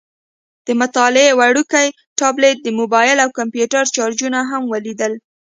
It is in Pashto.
د مطالعې وړوکی ټابلیټ، د موبایل او کمپیوټر چارجرونه هم ولیدل.